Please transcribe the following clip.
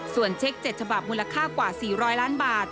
ส่วนเช็ค๗ฉบับมูลค่ากว่า๔๐๐ล้านบาท